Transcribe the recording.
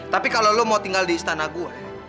tapi kalau lo mau tinggal di istana gue